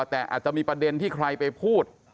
แต่อาจจะมีประเด็นที่ใครไปพูด